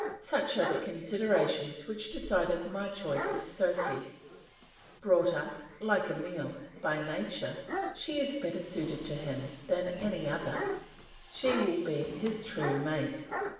Such are the considerations which decided my choice of Sophy. Brought up, like Emile, by Nature, she is better suited to him than any other; she will be his true mate.